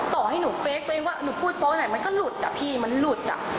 ต่อให้หนูเฟคตัวเองว่าหนูพูดโป๊ไหนมันก็หลุดอ่ะพี่มันหลุดอ่ะ